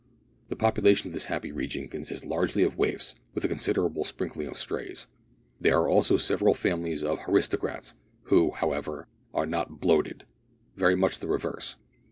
The population of this happy region consists largely of waifs with a considerable sprinkling of strays. There are also several families of "haristocrats," who, however, are not "bloated" very much the reverse.